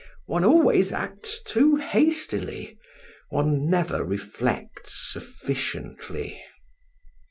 One always acts too hastily one never reflects sufficiently."